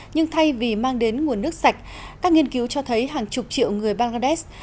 nhưng thay vì mang đến nguồn nước sạch các nghiên cứu cho thấy hàng chục triệu người bangladesh